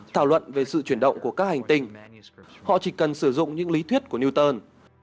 thảo luận về sự chuyển động của các hành tinh họ chỉ cần sử dụng những lý thuyết của newton